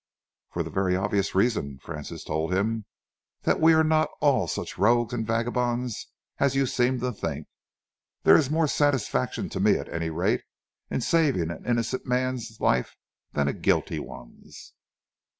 "For the very obvious reason," Francis told him, "that we are not all such rogues and vagabonds as you seem to think. There is more satisfaction to me, at any rate, in saving an innocent man's life than a guilty one's."